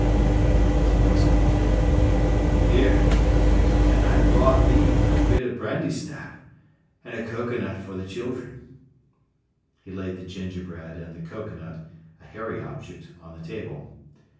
His voice went tender. "Here, an' I browt thee a bit o' brandysnap, an' a cocoanut for th' children." He laid the gingerbread and the cocoanut, a hairy object, on the table.